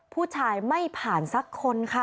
ผู้ชายไม่ผ่านสักคนค่ะ